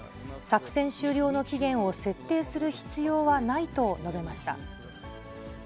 作戦終了の期限を設定する必要はないと述べました。